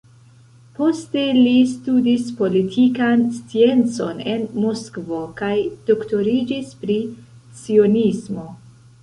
Poste li studis politikan sciencon en Moskvo kaj doktoriĝis pri cionismo.